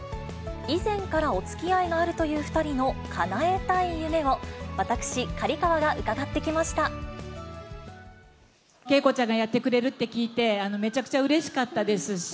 以前からおつきあいのあるという２人のかなえたい夢を、私、景子ちゃんがやってくれるって聞いて、めちゃくちゃうれしかったですし。